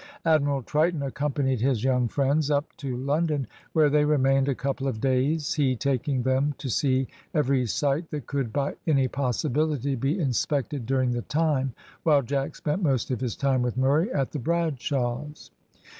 Admiral Triton accompanied his young friends up to London, where they remained a couple of days, he taking them to see every sight that could by any possibility be inspected during the time, while Jack spent most of his time with Murray at the Bradshaws'.